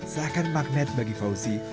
seakan magnet bagi fawzi